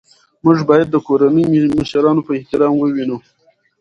موږ باید د کورنۍ مشران په احترام ووینو